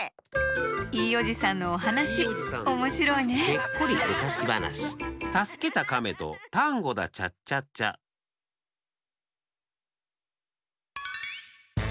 いいおじさんのおはなしおもしろいねたすけたかめとタンゴだチャッチャッチャッ。